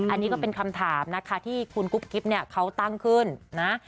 อันนี้ก็เป็นคำถามนะคะที่คุณกุ๊บกิ๊บเนี่ยเขาตั้งขึ้นนะ